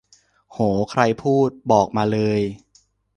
โห ใครพูด บอกมาเลย